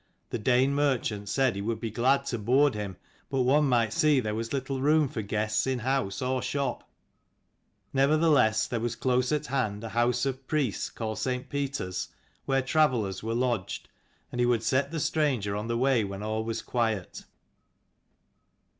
The Dane merchant said he would be glad to board him, but one might see there was little room for guests in house or shop. Nevertheless there was close at hand a house of priests called St. Peter's, where travellers were lodged, and he would set the stranger on the way when all was quiet.